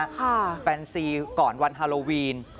แฟนซีก่อนวันฮาโลวีน